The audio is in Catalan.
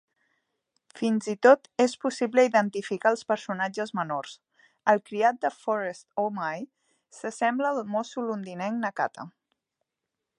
Fins i tot és possible identificar els personatges menors; el criat de Forrest Oh My s'assembla al mosso londinenc Nakata.